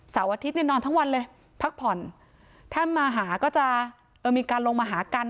อาทิตย์เนี่ยนอนทั้งวันเลยพักผ่อนถ้ามาหาก็จะเออมีการลงมาหากัน